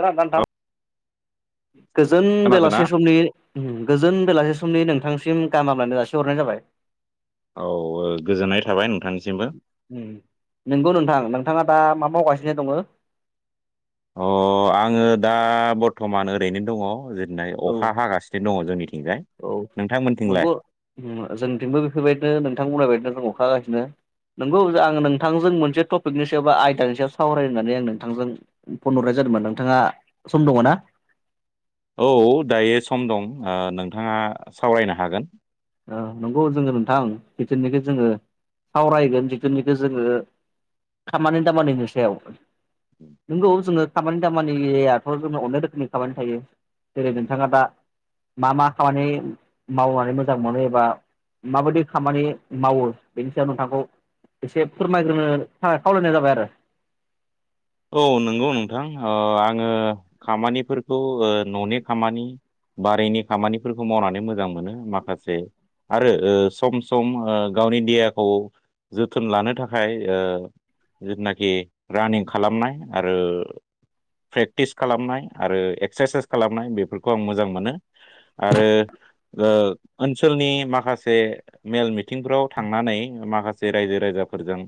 खोनादोना औ नोंथां गोजोन खोनादोंना बेलासे समनि गोजोन बेलासे स समनि नोंथांसिम गाहाम हामलायन जासि हरनाय जाबाय औ ओ गोजोननाय थाबाय नोंथांनि उम नोंगौ नोंथां नोंथाङा दा मा मावगासिनो दङो अ आङो दा बरथमान ओरैनो दङ जेथ नाय औ अखा हागासिनो दङ जोंनिथिंजाय औ नोंथांमोनथिंलाय नंगौ जोंथिंबो बेफोरबायदिनो नोंथां बुंनाय बायदिनो जों अखाहागासिनो नोंगौ आङो नोंथांजों मोनसे टपिकनि सायाव बा आयदानि सायाव सावराय होननानै आं नोंथांजों फनहरनाय जाब होनबा नोंथांङा सम दङ ना औ दायो सम दं आ नोंथाङा सावरायनो हागोन ओ नंगौ जोङो नोंथां जिथोरनिखौ जोङो सावरायगोन जिथुनिखौ जोङो खामानि दामानि नो सायाव नंगौ जोङो खामानि दामानियाथ जोङो अनेक रोखोमनि खामानि थायो जेरै नोंथाङा दा मा मा खामानि मावनानै मो मोजां मोनो एबा माबायदि खामानि मावो। बेनि सायाव नोंथांखौ एसे फोरमायग्रोनो थाखाय खावलायनाय जाबाय आरो। औ नंगौ नोंथां, ओ आङो खामानिफोरखौ ओ न'नि खामानि बारिनि खामानिफोरखौ मावनानै मोजां मोनो। माखासे आरो ओ सम- सम गावनि देहाखौ जोथोन लानो थाखाय, ओ जिथुनाखि रानिं खालामनाय आरो प्रेक्टिस खालामनाय आरो एक्सारसाइस खालामनाय ।बेफोरखौ आं मोजां मोनो आरो ओ ओनसोलनि माखासे मेल -मिथिंफ्राव थांनानै माखासे रायजो रायजाफोरजों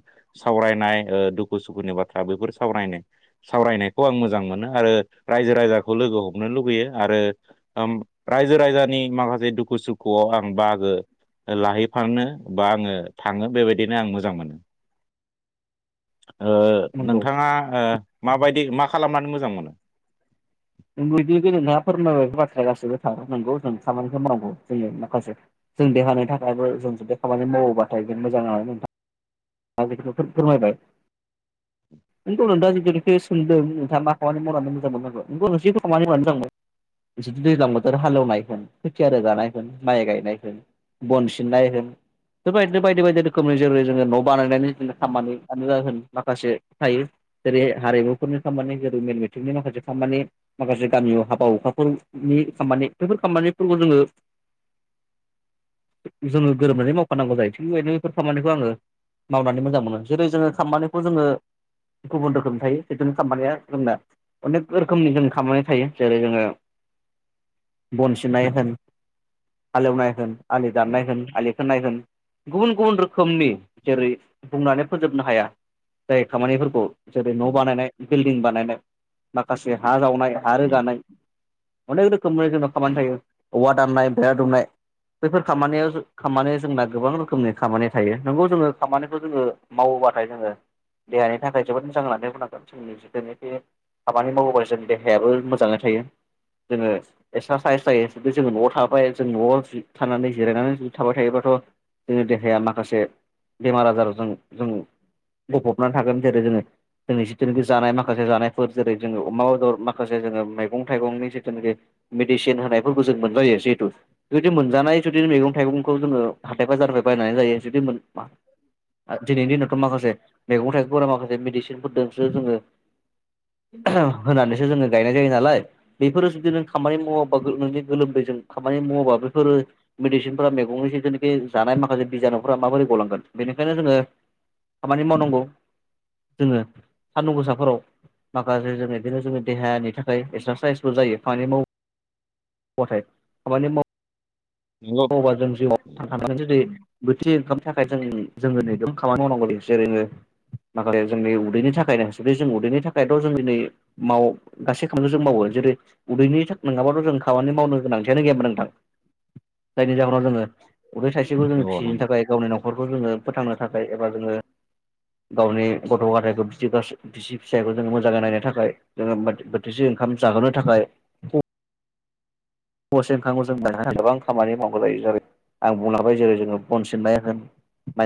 सावरायनाय ओ दुखु- सुखुनि बाथ्रा आ बेफोर सावरायनाय- सावरायनायखौ आं मोजां मोनो, आरो रायजो राजाखौ लोगो हमनो लुबैयो आरो ओ ओम रायजो -राजानि माखासे दुखु- सुखुआव आं बाहागो लाहैफानो बा आङो थाङो। बेबायदिनो आं मोजां मोनो। ओ नंगौ नोंथाङा ओ माबायदि मा खालामनानै मोजां मोनो? नोंबो दि जेनेबा फोरमायबाय बेफोर बाथ्राया गाससिबो थार नोंगौ। जों खामानिखौ मावगौ जोंनि माखासे जों देहानि थाखायबो जों जुदि खामानि मावोबाथाय [unintelligible] आं बेखौनो फोर -फोरमायबाय। [unintelligible] नोंथांआ जिखिनिखो सोंदों नोंथांङा मा खामानि मावनानै मोजां मोननांगौ [unintelligible] बिदि दैज्लां बोथोर हालेवनाय होन, खोथिया रोगानाय होन, माइ गायनाय होन बन सिननाय होन बेबायदिनो बायदि -बायदि रोखोमनि जेरै जोङो न' [unintelligible] माखासे थायो ।जेरै हारिमुफोरनि खामानि जेरै मेल- मेटिंनि माखासे खामानि माखासे गामि अ हाबा- हुखाफोरनि खामानि बेफोर खामानिफोरखौ जोङो जोंङो गोरोबनानै मावफानांगौ जायो ।थिग बेदिनो बेफोर खामानिखौ आङो मावनानै मोजां मोनो ।जेरै जोङो खामानिखौ जोङो गुबुन रोखोम थायो। जिथुनो खामानिया जोंना अनेक रोखोमनि, जों खामानि थायो जेरै जोङो बनसिनाय होन हालेवनाय होन, आलि दाननाय होन, आलि खोननाय होन गुबुन- गुबुन रोखोमनि जेरै उम बुंनानै फोजोबनो हाया। जाय खामानिफोरखौ जेरै न' उम बानायनाय बिल्डिं बानायनाय। माखासे हा जावनाय, हा उम रोगानाय अनेक रोखोमनि जोंनाव खामानि उम थायो। औवा दाननाय, बेरा दुमनाय। बैफोर खामानियाव खामानि जोंना गोबां रोखोमनि खामानि थायो नंगौ जोङो खामानिखौ जोङो मावोब्लाथाय जोङो देहानि थाखाय जोबोद मोजां होननानै बुंनांगोन जिथुनिखि खामानि मावोबा जोंनि देहायाबो मोजाङै थायो। जोङो एक्सारसाइस जायो ।जुदि जोङो न'आव थाबाय जों न'आव थानानै जिरायनानै जुदि थाबाय थायोबाथ' जोंनि देहाया माखासे बेमार आजाराव जों -जों गफबनानै थागोन जेरै जोङो जोंनि जिथुनिखि जानाय माखासे जानायफोर, जेरै जोङो अमा बेदर माखासे जोङो मैगं -थाइगंनि जिथुनिखि मेडिसिन होनायफोरखौ जों मोनजायो जिहेतु जुदि मोनजानाय जुदि मैगं -थाइगंखौ, जोङो हाथाय बाजार बायनानै जायो जुदि [unintelligible] दिनैनि दिनावथ' माखासे मैगं- थाइगंफोरा माखासे मेडिसिनफोरजोंसो जोङो ओम होनानैसो जोङो गायनाय जायो नालाय ।बेफोरो जुदि नों खामानि मावाबा नों गोलोमदै जों खामानि मावोबा बेफोर मेदिसिनफोरा मैगंनि जिखिनि जानाय माखासे बिजानुफोरा माबोरै गलांगोन? बेनिखायनो जोङो खामानि मावनांगौ। जोङो सान्दुं गोसाफोराव माखासे जों बिदिनो जोंनि देहानि थाखाय एक्सारसाइसबो जायो खामानि माव मावबाथाय, खामानि [unintelligible] नंगौ अबा जों जिउआव [unintelligible] [unintelligible] माखासे जोंनि उदैनि थाखायनोथ' जों उदैनि थाखायथ' जों दिनै माव गासै खामखौ जों मावो जेरै उदैनि था नङाबाथ' जों खामानि मावनो गोनांथियानो गैयामोन नोंथां जायनि जाहोनाव जोङो उदै थाइसेखौ जोङो नंगौ फिसिनो नंगौ थाखाय गावनि न'खरखौ जोङो फोथांनो थाखाय एबा जोंङो गावनि गथ' गथायखौ बिदि बिसि फिसायखौ जोङो मोजाङै नायनो थाखाय जोङो बोथिसे ओंखाम जाहोनो थाखाय [unintelligible] आं बुंलांबाय जेरै जोङो बन सिननाय होन [unintelligible]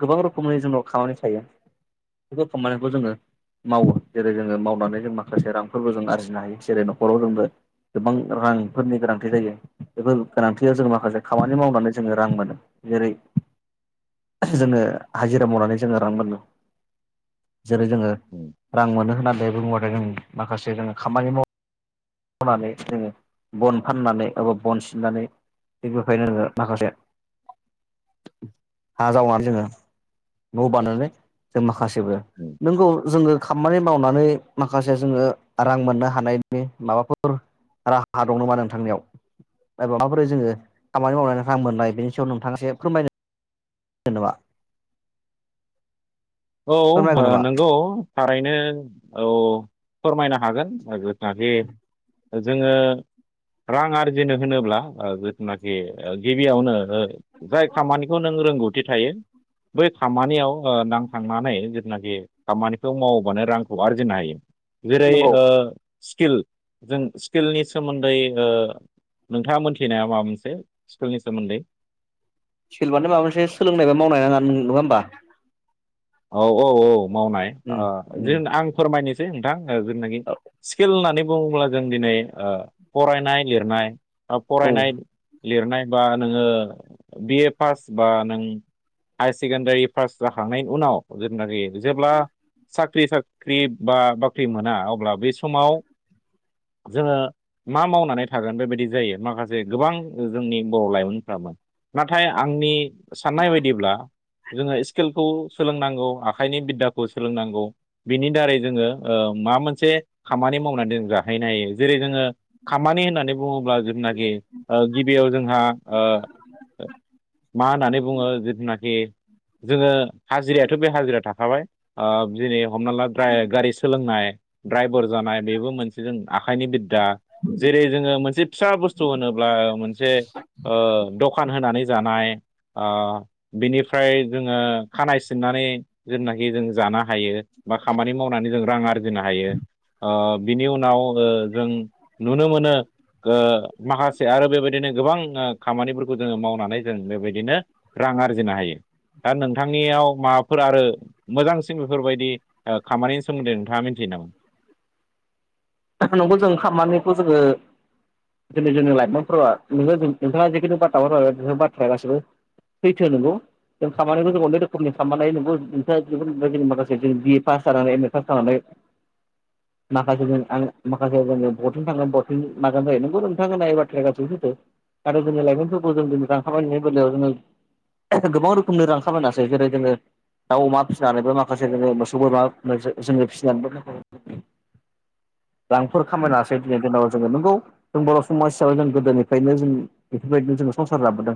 गोबां रोखोमनि जोंनाव खामानि थायो बेफोर खामानिखौ जोङो मावो जेरै जोङो माव मावनानै जों माखासे रांफोरबो जों आरजिनो हायो जेरै न'खराव जोंबो गोबां रांफोरनि गोनांथि जायो बेफोर गोनांथियाव जों माखासे उम खामानि मावनानै जोङो रां मोनो जेरै जोङो हाजिरा मावनानै जोङो रां मोनो जेरै जोङो उम रां मोनो होननानै बुङोबाथाय जों माखासे जोङो खामानि माव नानै जोङो बन फाननानै एबा बन सिननानै थिग बेखायनो नोङो माखासे हा जावनानै जोङो न' बानायनानै जों माखासे जेबो उम नोंगौ जोङो खामानि मावनानै माखासे जोङो रां मोननो हानायनि माबाफोर राहा दं नामा नोंथांनियाव बा माबाफोरो जोङो खामानि मावल रां मोननाय बेनि सायाव नोंथाङा एसे फोरमायनो [unintelligible] फोरमायगौ औ नामा नोंगौ थारैनो औ फोरमायनो हागोन। माबे जोङो रां आरजिनो होनोब्ला जिथुनाखि गिबियावनो जाय खामानिखौ नों रोंगौथि थायो बै खामानियाव ओ नां जिनाखि खामानिखौ मावोबानो रांखौ आरजिनो हायो जेरै नंगौ ओ स्किल जों स्किलनि सोमोन्दै ओ नोंथाङा मोनथिनाया माबा मोनसे स्किलनि सोमोन्दै सेलबानो माबा मोनसे सोलोंनाय बा मावनाय होनना नंङा होमबा औ औ औ मावनाय उम आ उम जों आं फोरमायनोसै नोंथां जोंनाखि स्किल होननानै बुङोब्ला जों दिनै ओ फरायनाय लिरनाय औ फरायनाय लिरनाय बा नोङो बिए पास बा नों हायार सेकेणडारि पास जाखांनायनि उनाव जेनाखि जेब्ला साख्रि साख्रि बा बाख्रि मोना अब्ला बे समाव जोङो मा मावनानै थागोन बेबायदि जायो माखासे गोबां जोंनि बर' लाइमोनफ्राबो नाथाय आंनि साननाय बायदिब्ला जोङो स्किलखौ सोलोंनांगौ आखाइनि बिद्दाखौ सोलोंनांगौ बिनि दारै जोङो ओ मा मोनसे खामानि मावनानै जाहैनो हायो जेरै जोङो खामानि होननानै बुङो ब्ला जेनाखि गिबियाव जोंहा ओ मा होननानै बुङो जिथुनाखि जोङो हाजिरायाथ' बे हाजिरा थाखाबाय ओ जिनै हमना द्राय गारि सोलोंनाय ड्राइभार जानाय बेबो मोनसे जों आखाइनि बिद्दा जेरै जोङो मोनसे फिसा बुस्थु होनोब्ला मोनसे ओ दखान होनानै जानाय आ बिनिफ्राय जोङो खानाय सिननानै जेनाखि जों जानो हायो बा खामानि मावनानै जों रां आरजिनो हायो ओ बिनि उनाव ओ जों नुनो मोनो ओ माखासे आरो बेबायदिनो गोबां खामानिफोरखौ जोङो मावनानै जों बेबायदिनो रां आरजिनो हायो दा नों थांनियाव माबाफोर आरो मोजांसिन बेफोरबायदि खामानिनि सोमोन्दै नोंथांङा मिथियो नामा? नंगौ जों खामानिखौ जोंङो दिनै जोंनि लाइमोनफोरा नोंथांङा जिखुनु बाथाफोर नों बाथ्राया गासिबो सैथो नंगौ जों खामानि मोनै रोखोमनि खालामनानै नोंङो नोंथांङानि माखासे जों बि ए पास जानानै एम ए पास जानानै माखासे जों आं माखासे जोंङो बथिं थांनो बथिं मानो जायो नंगौ नोंथां होननाय बाथ्राया गासिबो सैथो। आरो दिनै लाइमोनफोरखौ जों दिनै जांखाबायनायनि बेलायाव जोंङो गोबां रोखोमनि रां खामायनासै जेरै जोंङो दाउ अमा फिसिनानैबो माखासे जोंङो मोसौ बोरमा जों जोंङो फिसिनानैबो रांफोर खामायनो हासै दिनै दिनाव जोंङो नोंगौ जों बर' समाज हिसाबै जों गोदोनिफ्रायनो जों बेफोरबायदिनो जोङो संसार जाबोदों।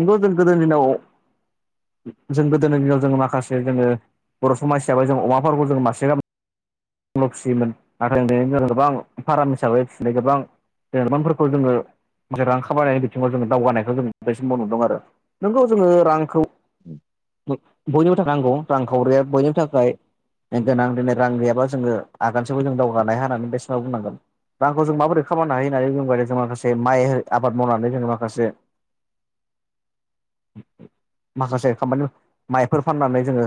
नंगौ जों गोदोनि दिनाव जों गोदोनि दिनाव जों माखासे जोंङो बर' समाज हिसाबै जों अमाफोरखौ जों मासे गामै आगोलाव फिसियोमोन आरो [unintelligible] गोबां फार्म हिसाबै फिसिनाय गोबां [unintelligible] लेरमानफोरखौ जोङो मोनसे रां खामायनायनि बिथिंङाव जोंङो दावगानायखौ जों बैसमाव नुदों आरो नोंगौ जोंङो रांखौ बय बयनिबो थाखाय नांगौ रांखावरिया बयनिबो थाखाय गोनां दिनै रां गैयाबा जोंङो आगानसेबो जों दावगानो हाया होननानै बेसमाव बुंनांगोन। रांखौ जों माबोरै खालामायनो हायो होननानै बुंबाय जों माखासे माइ आबाद मावनानै जोंङो माखासे माखासे खामानि माइफोर फाननानै जोंङो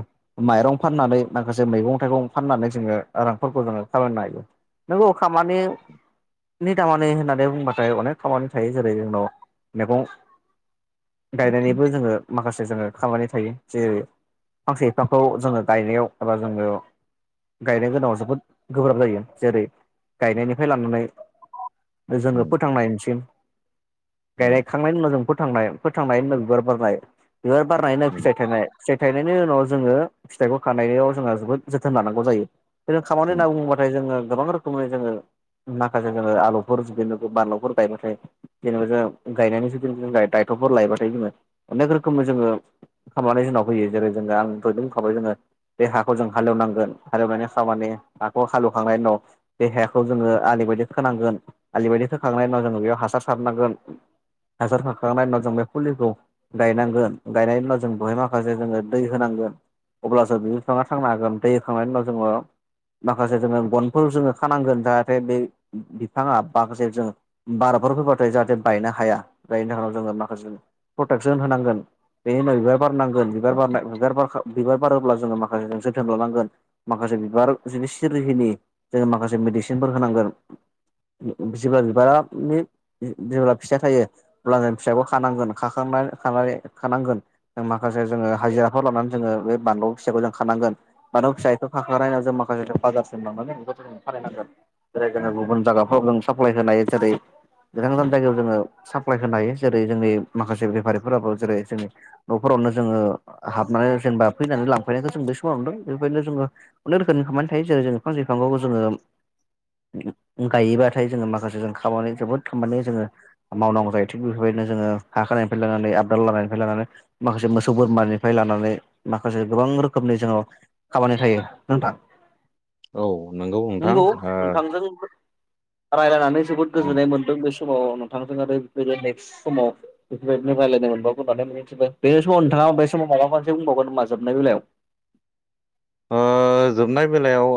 माइरं फाननानै माखासे मैगं थाइगं फाननानै जोंङो रांफोरखौ ज खालामनो हायो नोंगौ खामानि नि दामानि होननानै बुंबाथाय अनेक खामानि थायो जेरै जोंनाव मैगं गायनायनिबो जोंङो माखासे जोंङो खामानि थायो। जेरै फांसे बिफांखौ जोंङो गायनायाव एबा जोंङो। गायनो गोनांङाव जोबोद गोब्राब जायो जेरै गायनायनिफ्राय लानानै जोंंङो फोथांनायनिसिम गायनाय खांनायनि उनाव जों फोथांनाय फोथांनायनि उनाव बिबार बारनाय बिबार बारनायनि उनाव फिथाइ थायनाय फिथाइनायनि उनाव जोंङो फिथाइखौ खानायाव जोंङो जोबोद जोथोन लानांगौ जायो। जों खामानि होनना बुंङोबाथाय जोंङो गोबां रोखोमनि जोंङो माखासे जोङो आलुफोर बिदिनो बानलुफोर गायबाथाय जेनेबा जों गायनायनि जुदि [unintelligible] गथ'फोर लायबाथाय जोंङो अनेक रोखोम जोंङो खालामनानै जोंनाव फैयो जेरै जोंङो आं दयदिेन बुंखाबाय जोंङो बे हाखौ जों हालेवनांगोन हालेवनायनि खामानि हाखौ हालौखांनायनि उनाव बे हाखौ जोंङो आलि बायदि खोनांगोन आलि बायदि खोखांनायनि उनाव जोंङो बेयाव हासार सारनांगोन हासार सारखांनायनि उनाव जों बे फुलिखौ गायनांगोन गायनायनि उनाव जों जों बेहाय माखासे जोंङो दै होनांगोन अब्लासो बि बिफांङा थांनो हागोन दै होखांनायनि उनाव जोंङो माखासे जोङो गनफोर जोङो खानांगोन जाहाथे बे बिफाङा [unintelligible] बार बारफोर फैबाथाय जाहाथे बायनो हाया जायनि जावनाव जोंङो माखासे प्रटेकसन होनांगोन। बिनि उनाव बिबार बारनांगोन बिबार बार बारखां बिबार बारोब्ला जोंङो माखासे जोथोन लानांगोन माखासे बिबार सिरियैनि जोंङो माखासे मेडिसिनफोर होनांगोन। जेब्ला बिबारा बि जेब्ला फिथाइ थायो अब्ला जों फिथाइखौ खानांगोन खाखांना खा खानानै खानांगोन। जों माखासे जोंङो हाजिराफोर लानानै जोंङो बे बानलु फिथाइखौ जों खानांगोन बानलु फिथाइखौ खाखांनायाव जों माखासे जों बाजार सिम लांनानै बेखौ जों फानैनांगोन। जेरै जोंङो गुबुन जायगाफ्राव जों साप्लाय होनाय जेरै गोजान गोजान जायगायाव जोंङो साप्लाय होनाय जेरै जोंनि माखासे बेफारिफोराबो जेरै जोंनि न'खरावनो जोंङो ओ हाबनानै जेनेबा फैनानै लांफैनायखौ जों बै समाव नुदों बेबायदिनो जोंङो अनेक रोखोमनि खालामनानै थायो जेरै जों फांसे लाइफांखौ जोंङो गायोबाथाय जोङो माखासे जोङो खामानि जोबोद खामानि जोङो मावनांगौ जायो थिग बेफोरबायदि बिदिनो जोङो हाखोनायनिफ्राय लानानै आबदाल लानायनिफ्राय लानानै माखासे मोसौ बोरमानिफ्राय लानानै माखासे गोबां रोखोमनि जोंङो खामानि थायो नोंथां। औ नोंथां नंगौ ओ नोंथांजों‌। राय्लायनानै जोबोद उम गोजोननाय मोनदों बेस समाव नोंथांजों आरो बेफोरनो नेक्स्ट समाव बेफोरबायदिनो रायज्लायनो मोनबावगोन होननानै मिजिंथिबाय बे समाव नोंथाङा बे समाव माबा मोनसे बुंबावगोन नामा जोबनाय बेलायाव ओ जोबनाय बेलायाव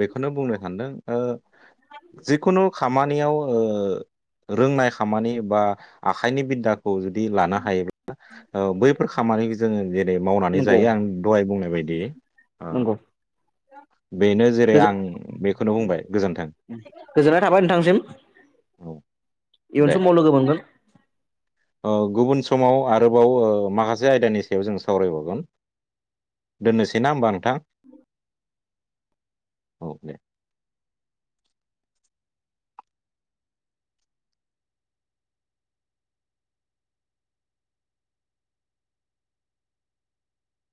बेखौनो बुंनो सानदों जिखुनु खामानियाव रोंनाय खामानि बा आखाइनि बिद्दा खौ जुदि लानो हायोब्ला बैफोर खामानिखौ जोङो जेरै मावनानै नंगौ जायो आं दहाय बुंनाय बायदि ओ नंगौ बेनो जेरै आं बेखौनो बुंबाय गोजोन्थों गोजोननाय थाबाय नोंथांसिम औ इन दे समाव लोगो मोनगोन गुबुन समाव आरोबाव माखासे आयदानि सायाव जों सावरायबावगोन दोननोसै ना होमबा नोंथां औ दे